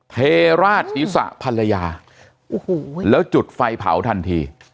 เพราะราชศีรษะภรรยาแล้วจุดไฟเผาทันที